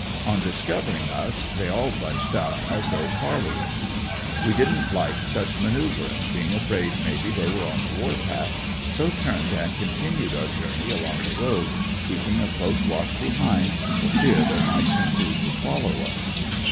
On discovering us they all bunched up, as though parleying. We didn't like such maneuvering, being afraid maybe they were on the war path, so turned and continued our journey along the road, keeping a close watch behind for fear they might conclude to follow us.